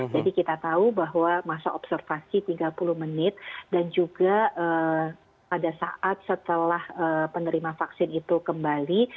jadi kita tahu bahwa masa observasi tiga puluh menit dan juga pada saat setelah penerima vaksin itu kembali